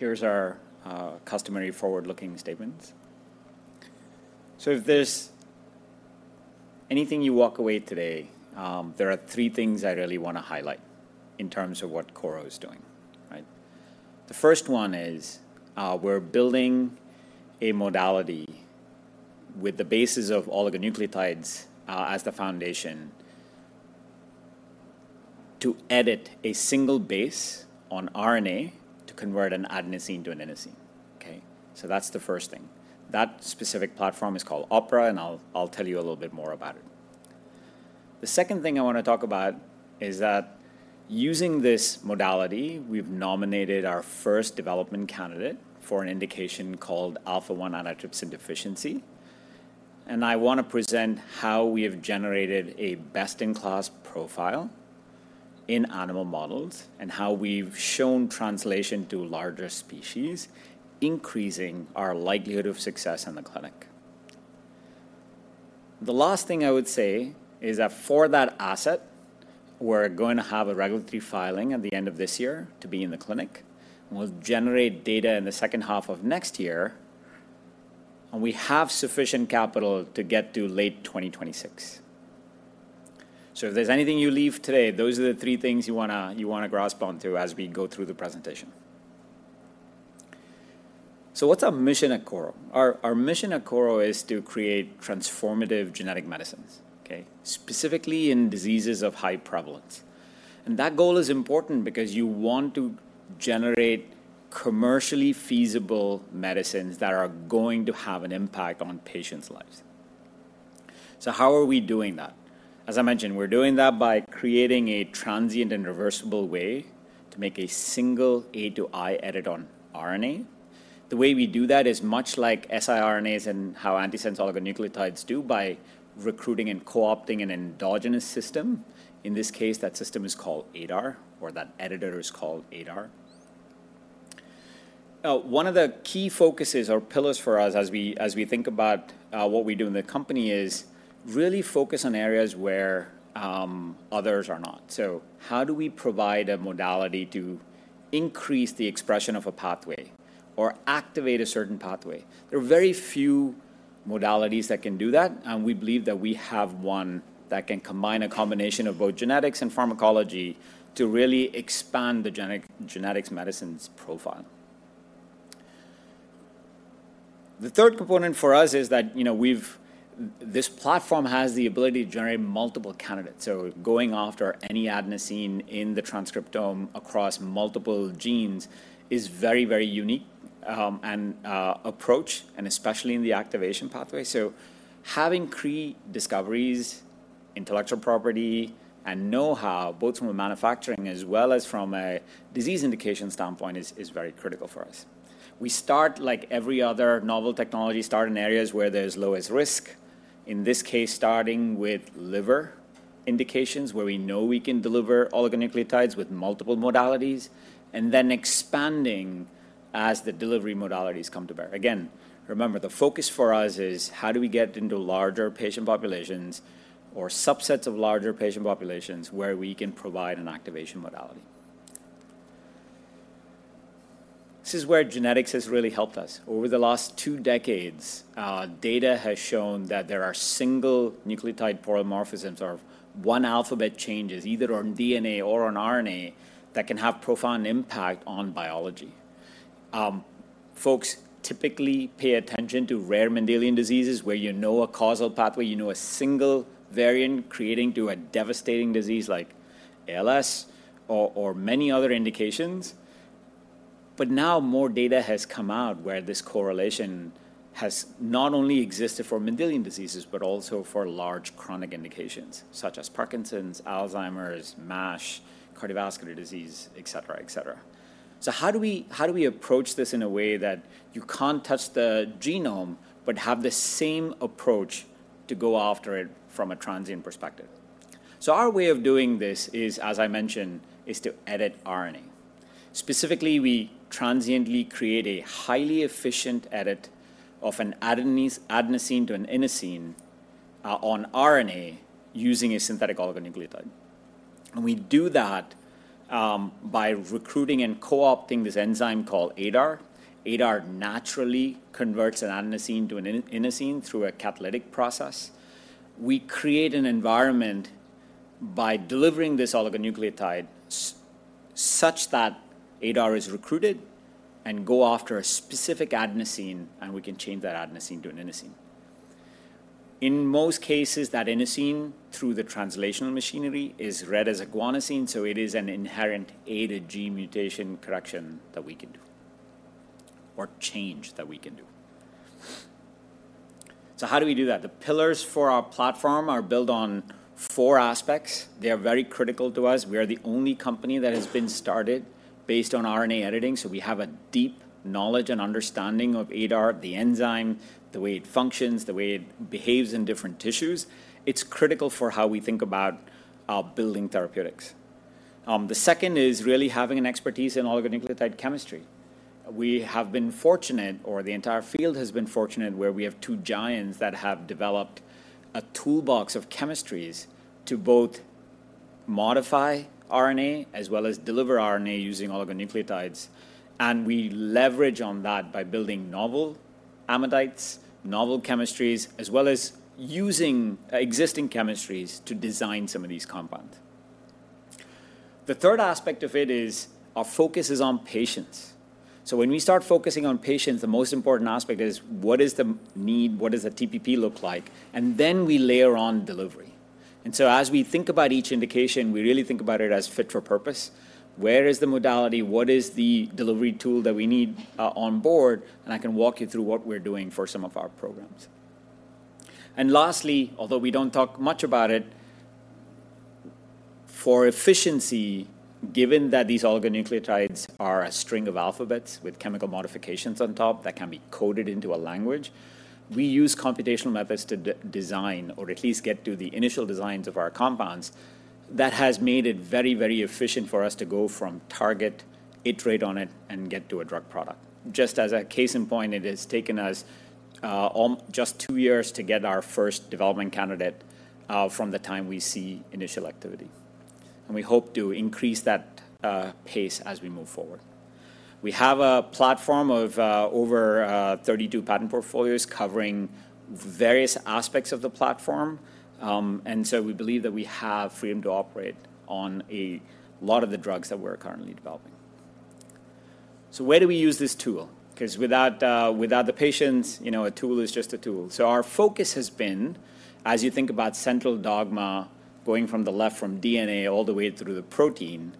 ...Here's our customary forward-looking statements. So if there's anything you walk away today, there are three things I really wanna highlight in terms of what Korro is doing, right? The first one is, we're building a modality with the bases of oligonucleotides, as the foundation to edit a single base on RNA to convert an adenosine to an inosine. Okay, so that's the first thing. That specific platform is called OPERA, and I'll tell you a little bit more about it. The second thing I wanna talk about is that using this modality, we've nominated our first development candidate for an indication called alpha-1 antitrypsin deficiency, and I wanna present how we have generated a best-in-class profile in animal models and how we've shown translation to larger species, increasing our likelihood of success in the clinic. The last thing I would say is that for that asset, we're going to have a regulatory filing at the end of this year to be in the clinic. We'll generate data in the second half of next year, and we have sufficient capital to get to late 2026. So if there's anything you leave today, those are the three things you wanna, you wanna grasp onto as we go through the presentation. So what's our mission at Korro? Our, our mission at Korro is to create transformative genetic medicines, okay? Specifically in diseases of high prevalence. And that goal is important because you want to generate commercially feasible medicines that are going to have an impact on patients' lives. So how are we doing that? As I mentioned, we're doing that by creating a transient and reversible way to make a single A to I edit on RNA. The way we do that is much like siRNAs and how antisense oligonucleotides do by recruiting and co-opting an endogenous system. In this case, that system is called ADAR, or that editor is called ADAR. One of the key focuses or pillars for us as we, as we think about what we do in the company is really focus on areas where others are not. So how do we provide a modality to increase the expression of a pathway or activate a certain pathway? There are very few modalities that can do that, and we believe that we have one that can combine a combination of both genetics and pharmacology to really expand the genetics medicine's profile. The third component for us is that, you know, we've this platform has the ability to generate multiple candidates. Going after any adenosine in the transcriptome across multiple genes is very, very unique and approach, and especially in the activation pathway. Having process discoveries, intellectual property, and know-how, both from a manufacturing as well as from a disease indication standpoint, is very critical for us. We start like every other novel technology in areas where there's lowest risk. In this case, starting with liver indications, where we know we can deliver oligonucleotides with multiple modalities, and then expanding as the delivery modalities come to bear. Again, remember, the focus for us is how do we get into larger patient populations or subsets of larger patient populations where we can provide an activation modality? This is where genetics has really helped us. Over the last two decades, data has shown that there are single nucleotide polymorphisms or one alphabet changes, either on DNA or on RNA, that can have profound impact on biology. Folks typically pay attention to rare Mendelian diseases, where you know a causal pathway, you know a single variant creating to a devastating disease like ALS or, or many other indications. But now more data has come out where this correlation has not only existed for Mendelian diseases, but also for large chronic indications, such as Parkinson's, Alzheimer's, MASH, cardiovascular disease, et cetera, et cetera. So how do we, how do we approach this in a way that you can't touch the genome but have the same approach to go after it from a transient perspective? So our way of doing this is, as I mentioned, is to edit RNA. Specifically, we transiently create a highly efficient edit of an adenosine to an inosine on RNA using a synthetic oligonucleotide. We do that by recruiting and co-opting this enzyme called ADAR. ADAR naturally converts an adenosine to an inosine through a catalytic process. We create an environment by delivering this oligonucleotide such that ADAR is recruited and go after a specific adenosine, and we can change that adenosine to an inosine. In most cases, that inosine, through the translational machinery, is read as a guanosine, so it is an inherent A-to-I gene mutation correction that we can do or change that we can do. How do we do that? The pillars for our platform are built on four aspects. They are very critical to us. We are the only company that has been started based on RNA editing, so we have a deep knowledge and understanding of ADAR, the enzyme, the way it functions, the way it behaves in different tissues. It's critical for how we think about building therapeutics. The second is really having an expertise in oligonucleotide chemistry. We have been fortunate, or the entire field has been fortunate, where we have two giants that have developed a toolbox of chemistries to both modify RNA as well as deliver RNA using oligonucleotides, and we leverage on that by building novel amidites, novel chemistries, as well as using existing chemistries to design some of these compounds. The third aspect of it is our focus is on patients. So when we start focusing on patients, the most important aspect is: What is the need? What does the TPP look like? And then we layer on delivery. And so as we think about each indication, we really think about it as fit for purpose. Where is the modality? What is the delivery tool that we need on board? And I can walk you through what we're doing for some of our programs. And lastly, although we don't talk much about it, for efficiency, given that these oligonucleotides are a string of alphabets with chemical modifications on top that can be coded into a language, we use computational methods to design or at least get to the initial designs of our compounds. That has made it very, very efficient for us to go from target, iterate on it, and get to a drug product. Just as a case in point, it has taken us just 2 years to get our first development candidate from the time we see initial activity, and we hope to increase that pace as we move forward. We have a platform of over 32 patent portfolios covering various aspects of the platform. And so we believe that we have freedom to operate on a lot of the drugs that we're currently developing. So where do we use this tool? 'Cause without the patients, you know, a tool is just a tool. So our focus has been, as you think about central dogma, going from the left, from DNA, all the way through the protein,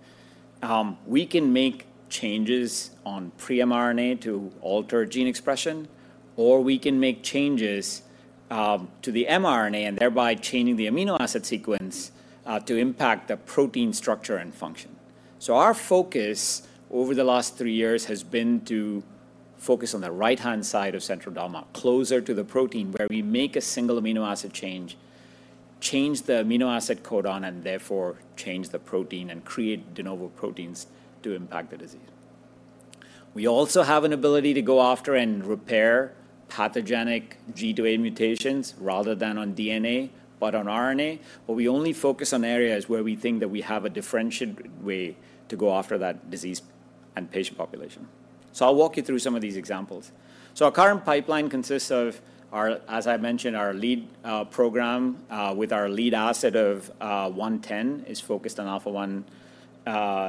we can make changes on pre-mRNA to alter gene expression, or we can make changes to the mRNA and thereby changing the amino acid sequence to impact the protein structure and function. So our focus over the last three years has been to focus on the right-hand side of central dogma, closer to the protein, where we make a single amino acid change, change the amino acid codon, and therefore change the protein and create de novo proteins to impact the disease. We also have an ability to go after and repair pathogenic G to A mutations rather than on DNA, but on RNA. But we only focus on areas where we think that we have a differentiated way to go after that disease and patient population. So I'll walk you through some of these examples. So our current pipeline consists of our, as I mentioned, our lead program with our lead asset of KRRO-110, is focused on alpha-1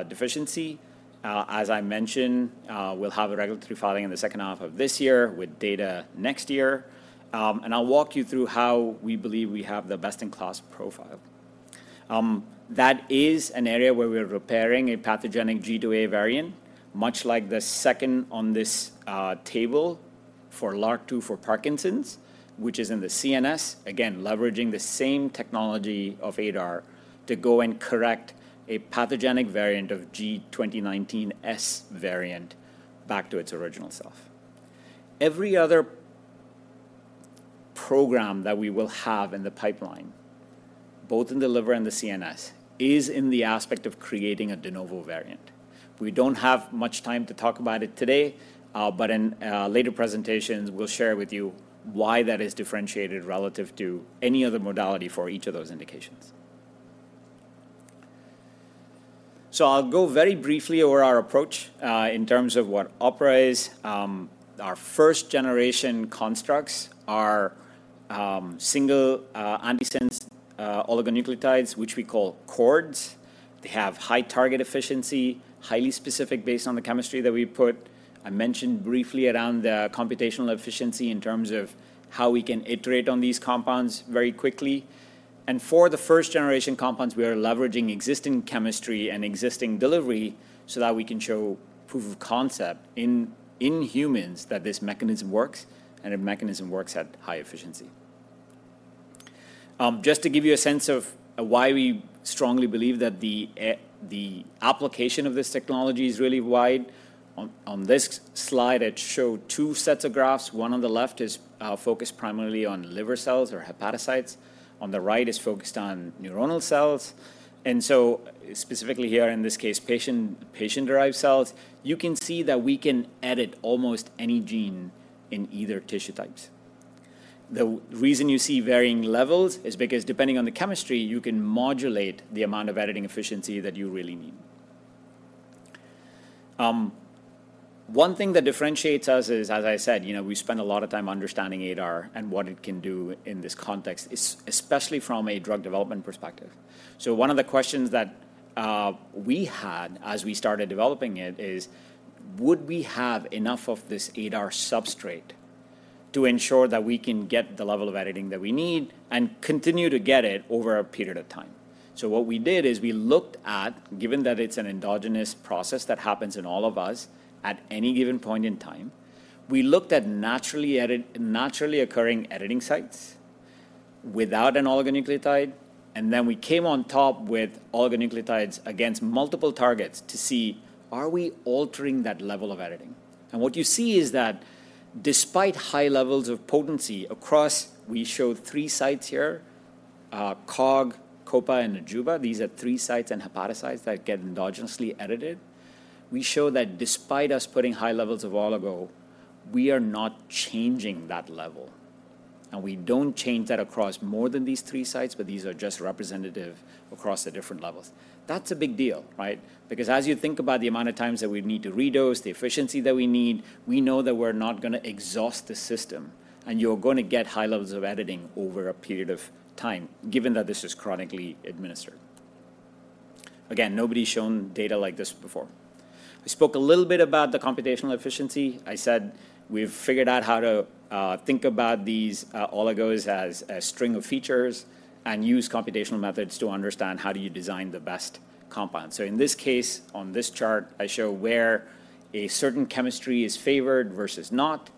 deficiency. As I mentioned, we'll have a regulatory filing in the second half of this year with data next year. And I'll walk you through how we believe we have the best-in-class profile. That is an area where we're repairing a pathogenic G to A variant, much like the second on this table for LRRK2 for Parkinson's, which is in the CNS. Again, leveraging the same technology of ADAR to go and correct a pathogenic variant of G2019S variant back to its original self. Every other program that we will have in the pipeline, both in the liver and the CNS, is in the aspect of creating a de novo variant. We don't have much time to talk about it today, but in later presentations, we'll share with you why that is differentiated relative to any other modality for each of those indications. So I'll go very briefly over our approach in terms of what OPERA is. Our first-generation constructs are single antisense oligonucleotides, which we call CHORDs. They have high target efficiency, highly specific, based on the chemistry that we put. I mentioned briefly around the computational efficiency in terms of how we can iterate on these compounds very quickly. For the first-generation compounds, we are leveraging existing chemistry and existing delivery so that we can show proof of concept in humans that this mechanism works, and the mechanism works at high efficiency. Just to give you a sense of why we strongly believe that the application of this technology is really wide, on this slide, it shows two sets of graphs. One on the left is focused primarily on liver cells or hepatocytes. On the right is focused on neuronal cells, and so specifically here, in this case, patient-derived cells, you can see that we can edit almost any gene in either tissue types. The reason you see varying levels is because depending on the chemistry, you can modulate the amount of editing efficiency that you really need. One thing that differentiates us is, as I said, you know, we spend a lot of time understanding ADAR and what it can do in this context, especially from a drug development perspective. So one of the questions that we had as we started developing it is: Would we have enough of this ADAR substrate to ensure that we can get the level of editing that we need and continue to get it over a period of time? So what we did is we looked at, given that it's an endogenous process that happens in all of us at any given point in time, we looked at naturally occurring editing sites without an oligonucleotide, and then we came on top with oligonucleotides against multiple targets to see, are we altering that level of editing? What you see is that despite high levels of potency across... We show three sites here, COG3, COPA, and AJUBA. These are three sites in hepatocytes that get endogenously edited. We show that despite us putting high levels of oligo, we are not changing that level. And we don't change that across more than these three sites, but these are just representative across the different levels. That's a big deal, right? Because as you think about the amount of times that we need to redose, the efficiency that we need, we know that we're not gonna exhaust the system, and you're gonna get high levels of editing over a period of time, given that this is chronically administered. Again, nobody's shown data like this before. We spoke a little bit about the computational efficiency. I said we've figured out how to think about these oligos as a string of features and use computational methods to understand how do you design the best compound. So in this case, on this chart, I show where a certain chemistry is favored versus not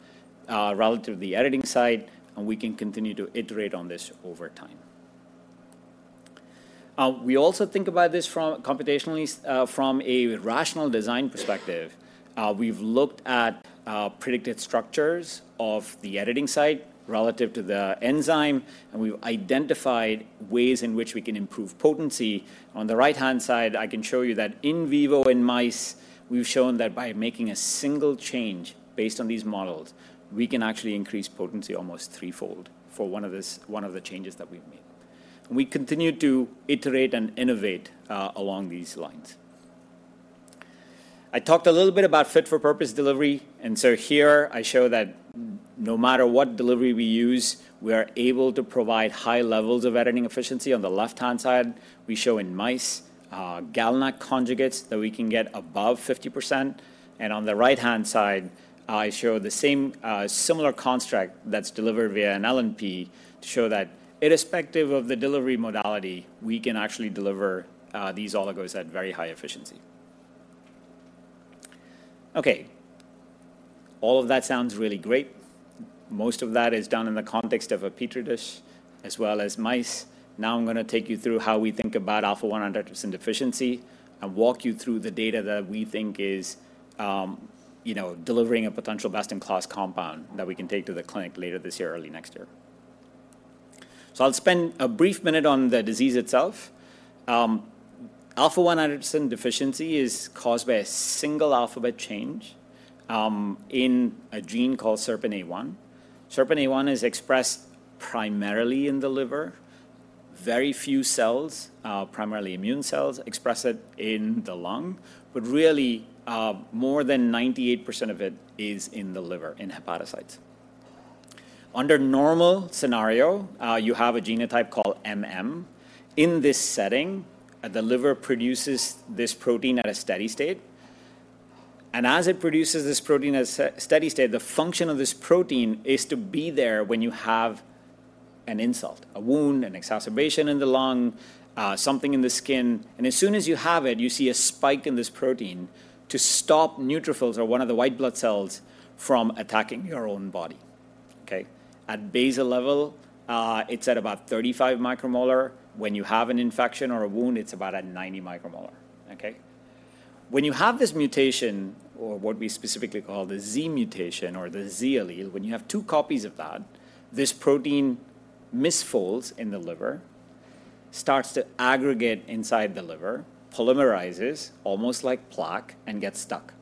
relative to the editing site, and we can continue to iterate on this over time. We also think about this from computationally from a rational design perspective. We've looked at predicted structures of the editing site relative to the enzyme, and we've identified ways in which we can improve potency. On the right-hand side, I can show you that in vivo in mice, we've shown that by making a single change based on these models, we can actually increase potency almost threefold for one of the changes that we've made. We continue to iterate and innovate along these lines. I talked a little bit about fit-for-purpose delivery, and so here I show that no matter what delivery we use, we are able to provide high levels of editing efficiency. On the left-hand side, we show in mice GalNAc conjugates that we can get above 50%, and on the right-hand side, I show the same similar construct that's delivered via an LNP to show that irrespective of the delivery modality, we can actually deliver these oligos at very high efficiency. Okay, all of that sounds really great. Most of that is done in the context of a Petri dish as well as mice. Now, I'm gonna take you through how we think about alpha-1 antitrypsin deficiency and walk you through the data that we think is, you know, delivering a potential best-in-class compound that we can take to the clinic later this year or early next year. So I'll spend a brief minute on the disease itself. alpha-1 antitrypsin deficiency is caused by a single alphabet change in a gene called SERPINA1. SERPINA1 is expressed primarily in the liver. Very few cells, primarily immune cells, express it in the lung, but really, more than 98% of it is in the liver, in hepatocytes. Under normal scenario, you have a genotype called MM. In this setting, the liver produces this protein at a steady state, and as it produces this protein at a steady state, the function of this protein is to be there when you have an insult, a wound, an exacerbation in the lung, something in the skin. And as soon as you have it, you see a spike in this protein to stop neutrophils or one of the white blood cells from attacking your own body, okay? At basal level, it's at about 35 micromolar. When you have an infection or a wound, it's about at 90 micromolar, okay? When you have this mutation, or what we specifically call the Z mutation or the Z allele, when you have two copies of that, this protein misfolds in the liver, starts to aggregate inside the liver, polymerizes almost like plaque, and gets stuck.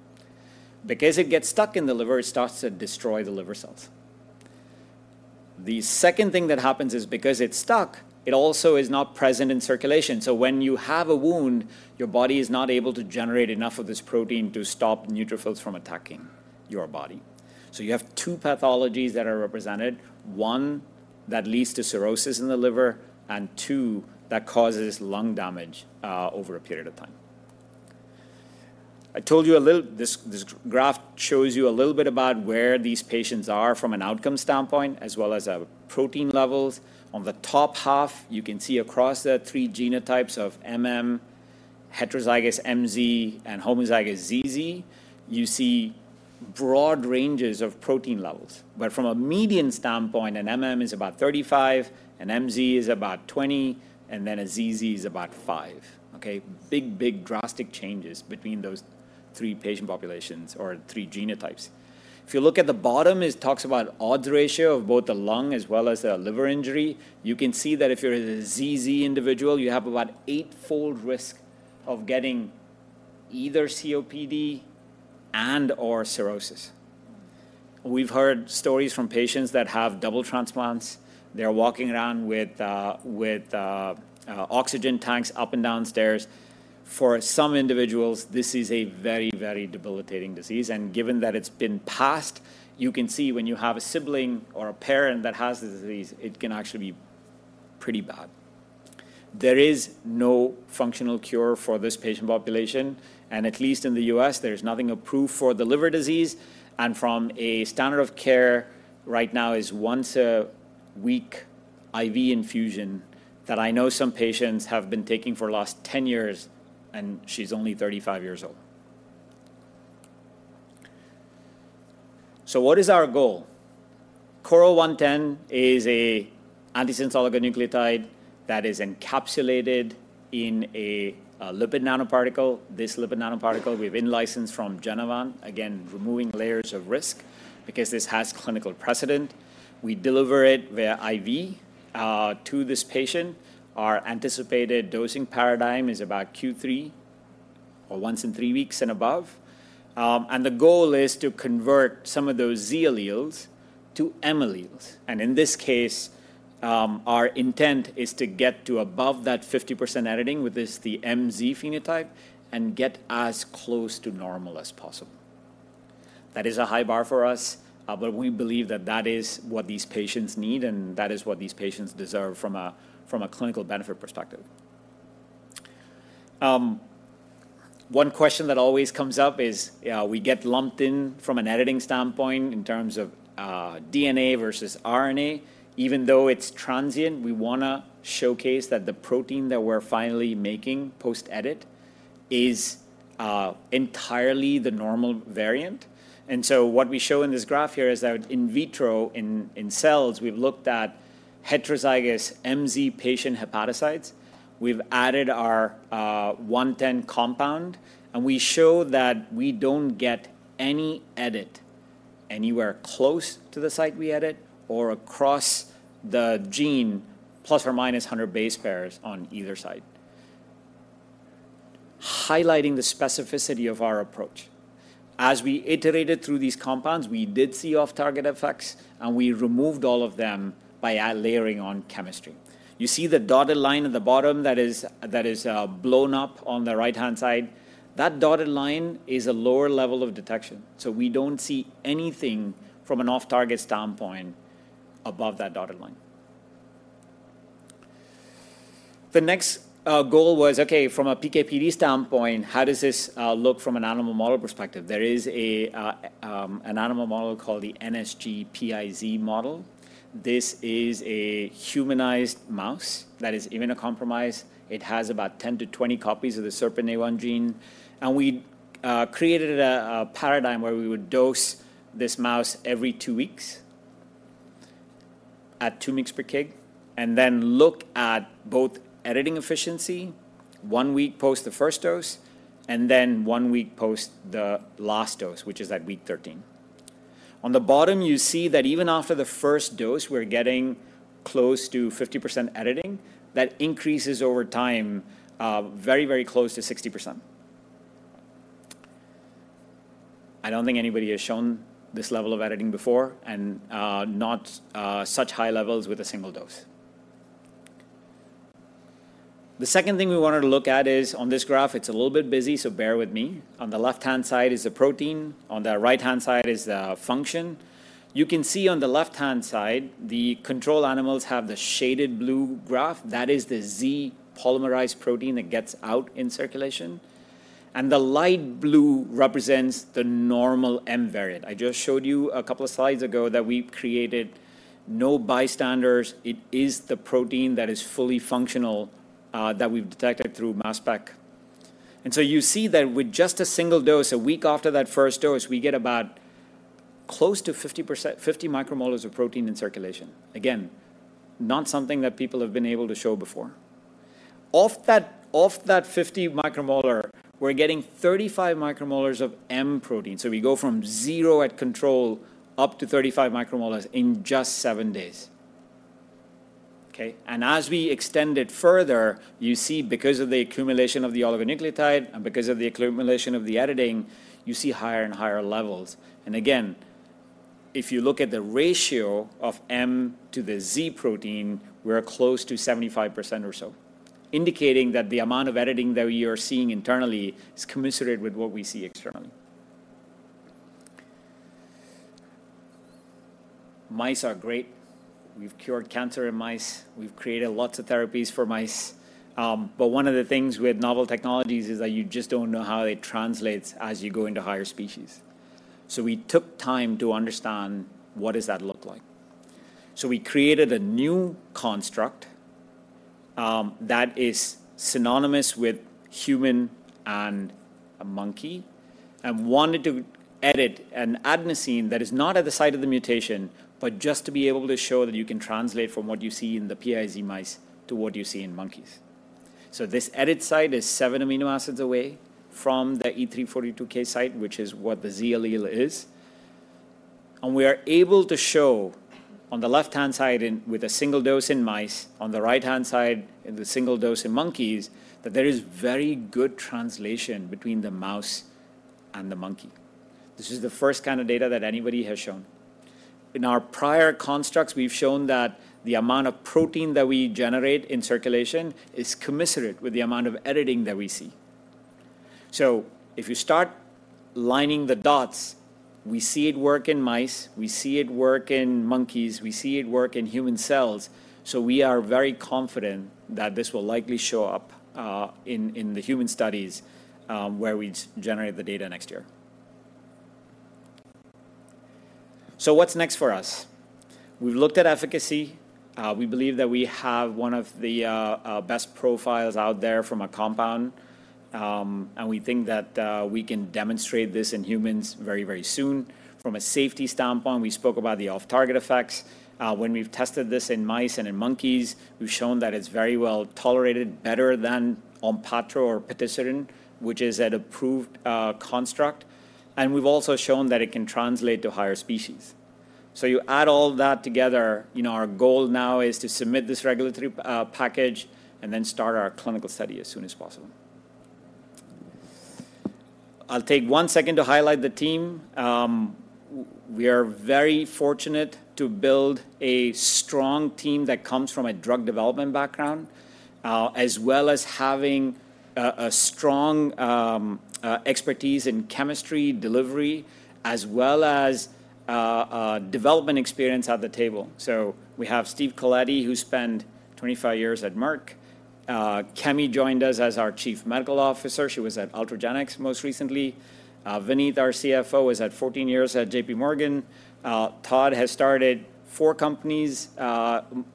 Because it gets stuck in the liver, it starts to destroy the liver cells. The second thing that happens is because it's stuck, it also is not present in circulation. So when you have a wound, your body is not able to generate enough of this protein to stop neutrophils from attacking your body. So you have two pathologies that are represented: one, that leads to cirrhosis in the liver, and two, that causes lung damage over a period of time. I told you a little. This graph shows you a little bit about where these patients are from an outcome standpoint, as well as protein levels. On the top half, you can see across the three genotypes of MM, heterozygous MZ, and homozygous ZZ. You see broad ranges of protein levels, but from a median standpoint, an MM is about 35, an MZ is about 20, and then a ZZ is about 5, okay? Big, big, drastic changes between those three patient populations or three genotypes. If you look at the bottom, it talks about odds ratio of both the lung as well as the liver injury. You can see that if you're a ZZ individual, you have about eightfold risk of getting either COPD and/or cirrhosis. We've heard stories from patients that have double transplants. They're walking around with oxygen tanks up and down stairs. For some individuals, this is a very, very debilitating disease, and given that it's been passed, you can see when you have a sibling or a parent that has the disease, it can actually be pretty bad. There is no functional cure for this patient population, and at least in the U.S., there's nothing approved for the liver disease, and from a standard of care right now is once a week IV infusion that I know some patients have been taking for the last 10 years, and she's only 35 years old. So what is our goal? KRRO-110 is a antisense oligonucleotide that is encapsulated in a lipid nanoparticle. This lipid nanoparticle we've in-licensed from Genevant, again, removing layers of risk because this has clinical precedent. We deliver it via IV to this patient. Our anticipated dosing paradigm is about Q3W or once in three weeks and above. And the goal is to convert some of those Z alleles to M alleles. In this case, our intent is to get to above that 50% editing with this, the MZ phenotype, and get as close to normal as possible. That is a high bar for us, but we believe that that is what these patients need, and that is what these patients deserve from a clinical benefit perspective. One question that always comes up is, we get lumped in from an editing standpoint in terms of DNA versus RNA. Even though it's transient, we wanna showcase that the protein that we're finally making post-edit is entirely the normal variant. And so what we show in this graph here is that in vitro, in cells, we've looked at heterozygous MZ patient hepatocytes. We've added our 110 compound, and we show that we don't get any edit anywhere close to the site we edit or across the gene, plus or minus 100 base pairs on either side, highlighting the specificity of our approach. As we iterated through these compounds, we did see off-target effects, and we removed all of them by layering on chemistry. You see the dotted line at the bottom that is blown up on the right-hand side? That dotted line is a lower level of detection, so we don't see anything from an off-target standpoint above that dotted line. The next goal was, okay, from a PK/PD standpoint, how does this look from an animal model perspective? There is an animal model called the NSG-PiZ model. This is a humanized mouse that is immunocompromised. It has about 10-20 copies of the SERPINA1 gene, and we created a paradigm where we would dose this mouse every two weeks at 2 mg per kg, and then look at both editing efficiency one week post the first dose, and then one week post the last dose, which is at week 13. On the bottom, you see that even after the first dose, we're getting close to 50% editing. That increases over time, very, very close to 60%. I don't think anybody has shown this level of editing before, and not such high levels with a single dose. The second thing we wanted to look at is on this graph, it's a little bit busy, so bear with me. On the left-hand side is the protein, on the right-hand side is the function. You can see on the left-hand side, the control animals have the shaded blue graph. That is the Z polymerized protein that gets out in circulation, and the light blue represents the normal M variant. I just showed you a couple of slides ago that we created no bystanders. It is the protein that is fully functional, that we've detected through mass spec. And so you see that with just a single dose, a week after that first dose, we get about close to 50%—50 micromoles of protein in circulation. Again, not something that people have been able to show before. Of that, of that 50 micromolar, we're getting 35 micromolar of M protein, so we go from 0 at control up to 35 micromolar in just 7 days. Okay, and as we extend it further, you see because of the accumulation of the oligonucleotide and because of the accumulation of the editing, you see higher and higher levels. And again, if you look at the ratio of M to the Z protein, we're close to 75% or so, indicating that the amount of editing that we are seeing internally is commensurate with what we see externally. Mice are great. We've cured cancer in mice. We've created lots of therapies for mice. But one of the things with novel technologies is that you just don't know how it translates as you go into higher species. So we took time to understand what does that look like? So we created a new construct, that is synonymous with human and a monkey, and wanted to edit an adenosine that is not at the site of the mutation, but just to be able to show that you can translate from what you see in the PiZ mice to what you see in monkeys. So this edit site is seven amino acids away from the E342K site, which is what the Z allele is. And we are able to show on the left-hand side in, with a single dose in mice, on the right-hand side, in the single dose in monkeys, that there is very good translation between the mouse and the monkey. This is the first kind of data that anybody has shown. In our prior constructs, we've shown that the amount of protein that we generate in circulation is commensurate with the amount of editing that we see. So if you start connecting the dots, we see it work in mice, we see it work in monkeys, we see it work in human cells, so we are very confident that this will likely show up in the human studies where we generate the data next year. So what's next for us? We've looked at efficacy. We believe that we have one of the best profiles out there from a compound, and we think that we can demonstrate this in humans very, very soon. From a safety standpoint, we spoke about the off-target effects. When we've tested this in mice and in monkeys, we've shown that it's very well tolerated, better than Onpattro or patisiran, which is an approved construct. And we've also shown that it can translate to higher species. So you add all that together, you know, our goal now is to submit this regulatory package, and then start our clinical study as soon as possible. I'll take one second to highlight the team. We are very fortunate to build a strong team that comes from a drug development background, as well as having a strong expertise in chemistry, delivery, as well as development experience at the table. So we have Steve Colletti, who spent 25 years at Merck. Kemi joined us as our Chief Medical Officer. She was at Ultragenyx most recently. Vineet, our CFO, is at 14 years at J.P. Morgan. Todd has started 4 companies,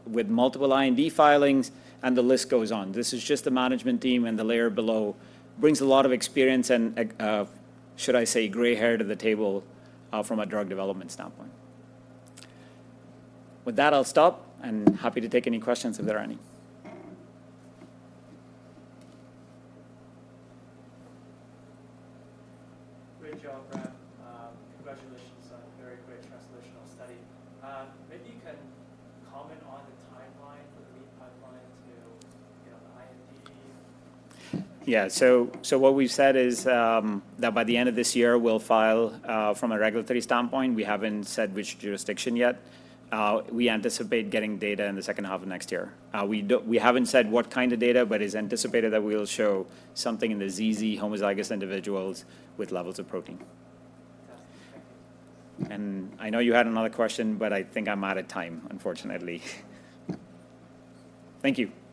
with multiple IND filings, and the list goes on. This is just the management team, and the layer below brings a lot of experience and, should I say, gray hair to the table, from a drug development standpoint. With that, I'll stop, and happy to take any questions if there are any. Great job, Ram. Congratulations on a very great translational study. Maybe you can comment on the timeline for the lead pipeline to, you know, the IND? Yeah. So what we've said is that by the end of this year, we'll file from a regulatory standpoint. We haven't said which jurisdiction yet. We anticipate getting data in the second half of next year. We don't, we haven't said what kind of data, but it's anticipated that we will show something in the ZZ homozygous individuals with levels of protein. Fantastic, thank you. I know you had another question, but I think I'm out of time, unfortunately. Thank you.